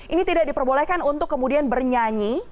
ini tidak diperbolehkan untuk kemudian bernyanyi